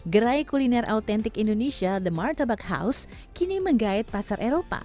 gerai kuliner autentik indonesia the martabak house kini menggait pasar eropa